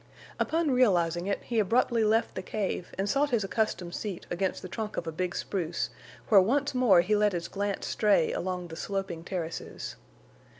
Upon realizing it he abruptly left the cave and sought his accustomed seat against the trunk of a big spruce, where once more he let his glance stray along the sloping terraces.